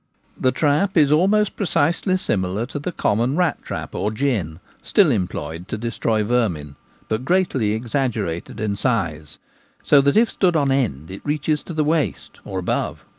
The trap is almost precisely similar to the common rat trap or gin still employed to destroy vermin, but greatly exaggerated in size, so that if stood on end it reaches to the waist, or above.